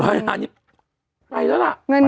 ๖๐๐ล้านไปแล้วล่ะ